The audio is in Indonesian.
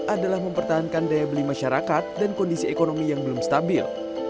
adalah mempertahankan daya beli masyarakat dan kondisi ekonomi yang belum stabil